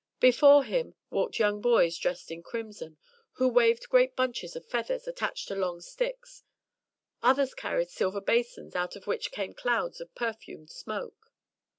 Before him walked young boys dressed in crimson, who waved great bunches of feathers attached to long sticks; others carried silver basins out of which came clouds of perfumed smoke.